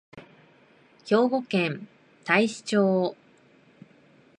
兵庫県太子町